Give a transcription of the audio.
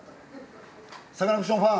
サカナクションファン。